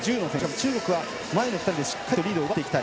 中国は前の２人でしっかりリードを奪っていきたい。